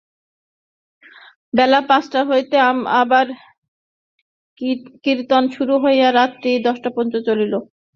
বেলা পাঁচটা হইতে আবার কীর্তন শুরু হইয়া রাত্রি দশটা পর্যন্ত চলিল।